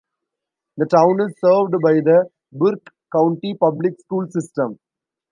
The town is served by the Burke County Public Schools system.